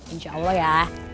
insya allah ya